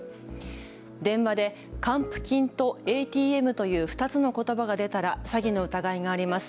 電話で還付金とＡＴＭという２つのことばが出たら詐欺の疑いがあります。